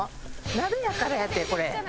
鍋やからやってこれ。